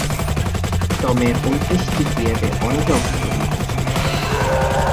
টমের অন্ত্যেষ্টিক্রিয়াতে অনেকে অংশগ্রহণ করেছিল।